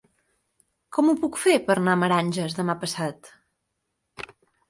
Com ho puc fer per anar a Meranges demà passat?